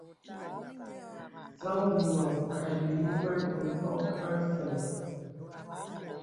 Sāŋ ngəməŋ àbīlí màn mpòk àsəŋ.